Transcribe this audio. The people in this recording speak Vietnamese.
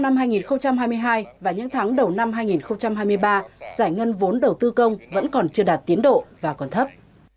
năm hai nghìn hai mươi hai và những tháng đầu năm hai nghìn hai mươi ba giải ngân vốn đầu tư công vẫn còn chưa đạt tiến độ và còn thấp